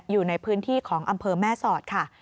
อยู่ในพื้นที่ของอำเภอแม่สอดค่ะ